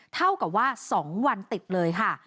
เท่ากับว่า๒วันติดเลยค่ะ